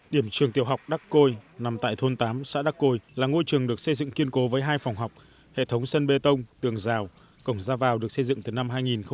điểm trường tiểu học đắc côi nằm tại thôn tám xã đắc côi là ngôi trường được xây dựng kiên cố với hai phòng học hệ thống sân bê tông tường rào cổng ra vào được xây dựng từ năm hai nghìn một mươi